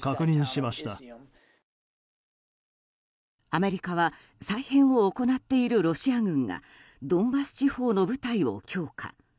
アメリカは再編を行っているロシア軍がドンバス地方の部隊を強化。